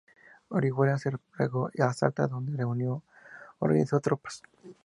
Orihuela se replegó a Salta, donde reunió y organizó tropas.